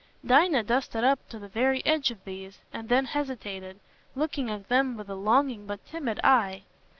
Dinah dusted up to the very edge of these and then hesitated, looking at them with a longing but timid eye.